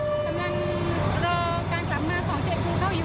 กำลังรอการกลับมาของเจฟูเกิ้ลอยู่